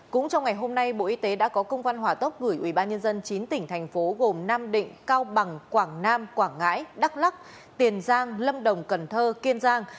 cũng trong ngày hôm nay bộ y tế đã có công văn hỏa tốc gửi ubnd chín tỉnh thành phố gồm nam định cao bằng quảng nam quảng ngãi đắk lắc tiền giang lâm đồng cần thơ kiên giang